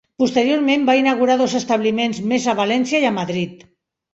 Posteriorment, va inaugurar dos establiments més a València i a Madrid.